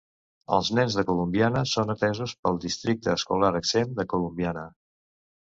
Els nens de Columbiana són atesos pel districte escolar exempt de Columbiana.